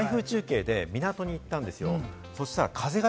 台風中継で港に行ったんですよ。